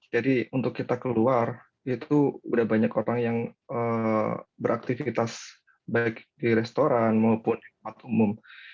jadi untuk kita keluar itu sudah banyak orang yang beraktivitas baik di restoran maupun di rumah umum